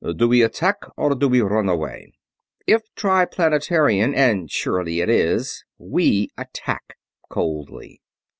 Do we attack or do we run away?" "If Triplanetarian, and it surely is, we attack," coldly.